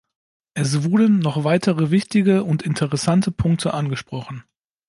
Es wurden noch weitere wichtige und interessante Punkte angesprochen.